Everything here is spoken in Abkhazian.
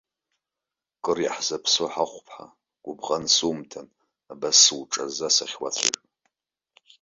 Кыр иаҳзаԥсоу ҳахәԥҳа, гәыбӷан сумҭан абас суҿазза сахьуацәажәо!